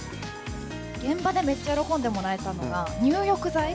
現場でめっちゃ喜んでもらえたのが、入浴剤。